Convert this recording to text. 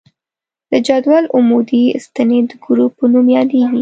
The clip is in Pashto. د جدول عمودي ستنې د ګروپ په نوم یادیږي.